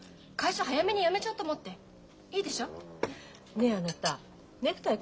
ねえあなたネクタイ